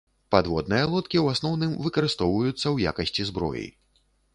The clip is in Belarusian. Падводныя лодкі ў асноўным выкарыстоўваюцца ў якасці зброі.